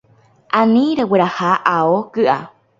Ani regueraha ao ky’a.